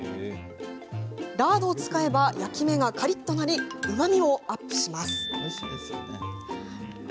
ラードを使えば焼き目がカリっとなりうまみもアップします。